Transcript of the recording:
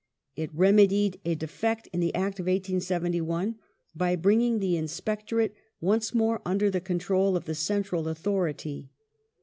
It remedied a defect in the Act of 1871 by bnnging the inspectorate once more under the control of the central authority.